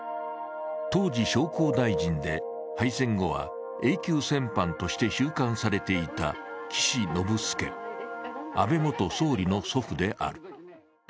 当時商工大臣で敗戦後はＡ級戦犯として収監されていた岸信介、安倍元総理の祖父である。